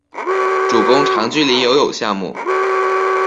主攻长距离游泳项目。